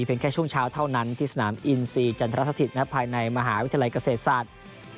เป็นแค่ช่วงเช้าเท่านั้นที่สนามอินซีจันทรสถิตภายในมหาวิทยาลัยเกษตรศาสตร์